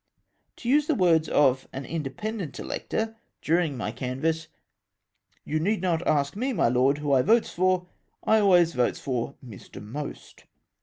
To use the words of " an independent elector" during my canvass :" You need not ask me, my lord, who I votes for, I always votes for Mister Most."